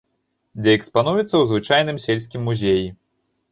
Дзе экспануюцца ў звычайным сельскім музеі.